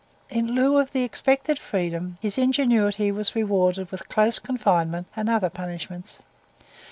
In lieu of the expected freedom, his ingenuity was rewarded with close confinement and other punishments.